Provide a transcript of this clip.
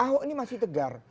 ahok ini masih tegar